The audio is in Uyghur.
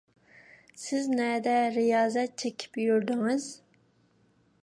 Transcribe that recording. سىز نەدە رىيازەت چېكىپ يۈردىڭىز؟